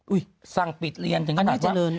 อุ๊ยสั่งปิดเรียนอำนาจเจริญ